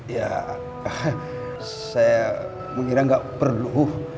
ya saya mengira nggak perlu